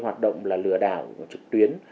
hoạt động là lừa đảo trực tuyến